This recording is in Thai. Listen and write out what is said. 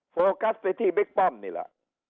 โฟกัสสิทธิบิ๊กป้อมนี่ล่ะ